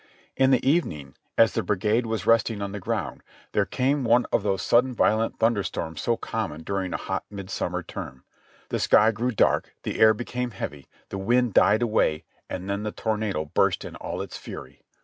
Tn the evening, as the brigade was resting on the ground, there came one of those sudden violent thunder storms so common during a hot mid summer term. The sky grew dark, the air became heavy, the wind died away and then the tornado burst in all its fury.